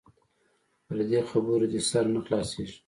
پر دې خبرو دې سر نه خلاصيږي.